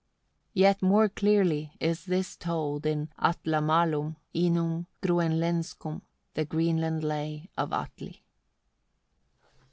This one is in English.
Yet more clearly is this told in "Atlamalum inum Groenlenzkum" (the Groenland lay of Atli).